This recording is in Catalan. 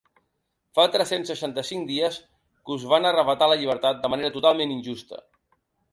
Fa tres-cents seixanta-cinc dies que us van arravatar la llibertat de manera totalment injusta.